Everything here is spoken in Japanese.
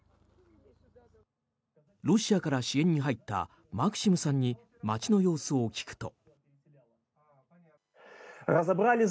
ロシアから支援に入ったマクシムさんに街の様子を聞くと。